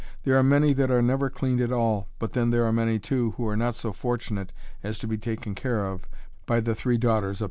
There are many that are never cleaned at all, but then there are many, too, who are not so fortunate as to be taken care of by the three daughters of Père Valois.